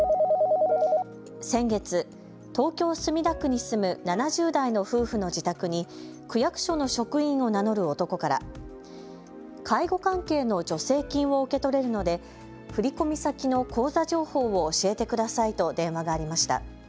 先月、東京・墨田区に住む７０代の夫婦の自宅に区役所の職員を名乗る男から介護関係の助成金を受け取れるので振込先の口座情報を教えてくださいと電話がありました。